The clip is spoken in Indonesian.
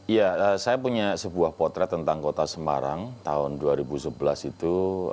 ya saya punya sebuah potret tentang kota semarang tahun dua ribu sebelas itu